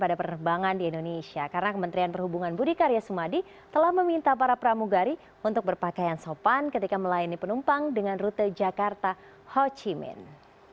ada penerbangan di indonesia karena kementerian perhubungan budi karya sumadi telah meminta para pramugari untuk berpakaian sopan ketika melayani penumpang dengan rute jakarta ho chi minh